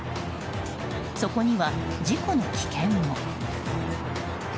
そこには事故の危険も。